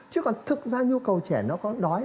chứ còn thực ra nhu cầu trẻ nó có đói